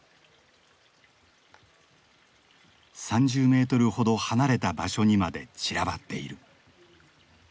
３０メートルほど離れた場所にまで散らばっている。